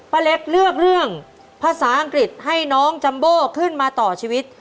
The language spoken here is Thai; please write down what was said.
เล็กเลือกเรื่องภาษาอังกฤษให้น้องจัมโบขึ้นมาต่อชีวิต